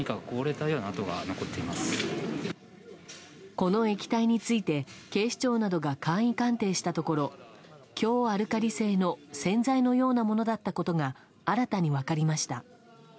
この液体について警視庁などが簡易鑑定したところ強アルカリ性の洗剤のようなものだったことが新たに分かりました。